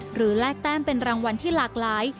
แลกแต้มเป็นรางวัลที่หลากหลาย